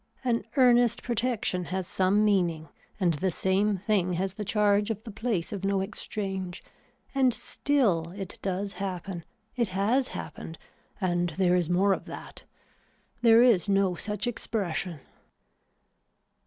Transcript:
An earnest protection has some meaning and the same thing has the charge of the place of no exchange. And still it does happen, it has happened and there is more of that. There is no such expression.